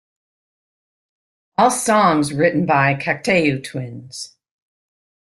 All songs written by Cocteau Twins.